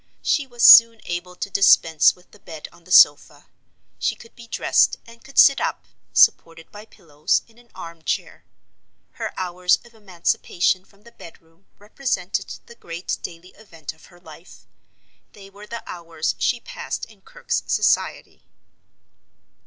She was soon able to dispense with the bed on the sofa—she could be dressed, and could sit up, supported by pillows, in an arm chair. Her hours of emancipation from the bedroom represented the great daily event of her life. They were the hours she passed in Kirke's society.